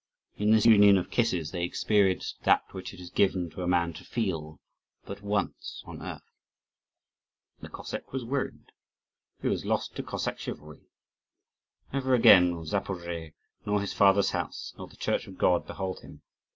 In this union of kisses they experienced that which it is given to a man to feel but once on earth. And the Cossack was ruined. He was lost to Cossack chivalry. Never again will Zaporozhe, nor his father's house, nor the Church of God, behold him.